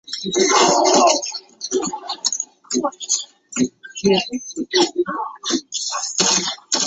女子严淑英则嫁给著名实业家吴调卿之子吴熙元。